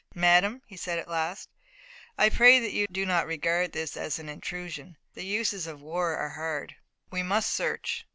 "Madame," he said at last, "I pray that you do not regard this as an intrusion. The uses of war are hard. We must search.